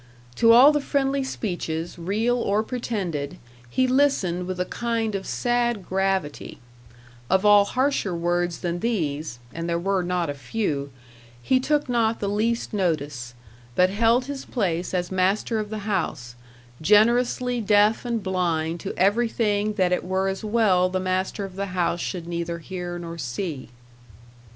To all the friendly speeches, real or pretended, he listened with a kind of sad gravity: of all harsher words than these and there were not a few he took not the least notice, but held his place as master of the house; generously deaf and blind to everything that it were as well the master of the house should neither hear nor see.